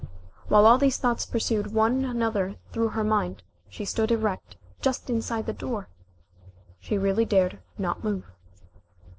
While all these thoughts pursued one another through her mind she stood erect just inside the door. She really dared not move.